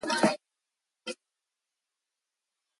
None of these were ever produced in significant numbers.